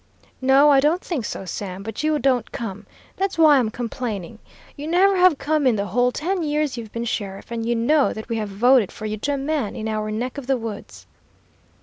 "'No, I don't think so, Sam, but you don't come. That's why I'm complaining. You never have come in the whole ten years you've been sheriff, and you know that we have voted for you to a man, in our neck of the woods.'